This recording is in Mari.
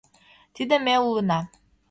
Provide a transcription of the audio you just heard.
Тиде ме улына.